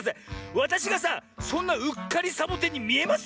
わたしがさそんなうっかりサボテンにみえます？